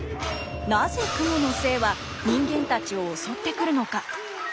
なぜ蜘蛛の精は人間たちを襲ってくるのか。